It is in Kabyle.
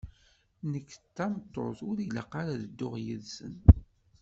Nekk d tameṭṭut ur ilaq ara ad dduɣ yid-sen!